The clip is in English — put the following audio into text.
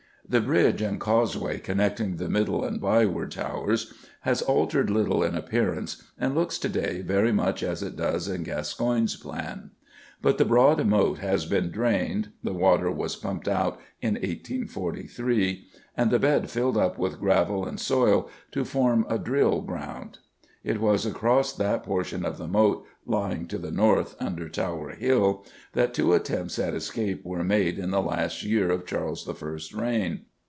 _ The bridge and causeway connecting the Middle and Byward Towers has altered little in appearance, and looks, to day, very much as it does in Gascoyne's plan. But the broad Moat has been drained; the water was pumped out in 1843, and the bed filled up with gravel and soil to form a drill ground. It was across that portion of the Moat lying to the north, under Tower Hill, that two attempts at escape were made in the last years of Charles I.'s reign.